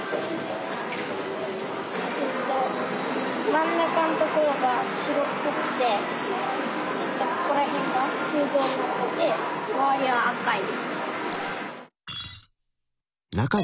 真ん中のところが白っぽくてちょっとここら辺が空洞になってて周りは赤い。